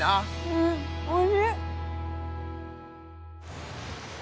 うんおいしい。